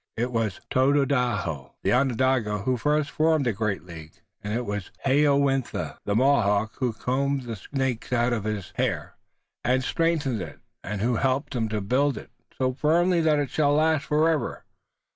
It was Tododaho, the Onondaga, who first formed the great League and it was Hayowentha, the Mohawk, who combed the snakes out of his hair and who strengthened it and who helped him to build it so firmly that it shall last forever.